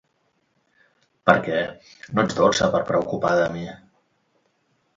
Per què, no ets dolça per preocupar de mi!